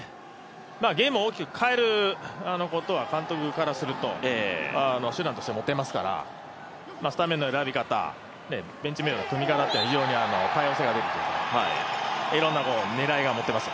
ゲームを大きく変えることは監督からすると手段として持てますからスタメンの選び方、ベンチメンバーの組み方は多様性が出てきます。